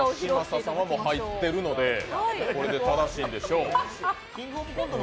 嶋佐さんはもう入っているので、これで正しいんでしょう。